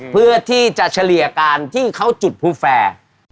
เพื่อที่จะเฉลี่ยการที่เขาจุดภูแฟร์